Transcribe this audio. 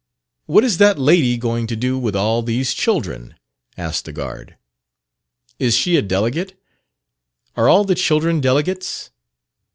"What is that lady going to do with all these children?" asked the guard. "Is she a delegate: are all the children delegates?"